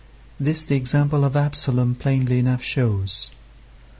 This the example of Absalom plainly enough shows.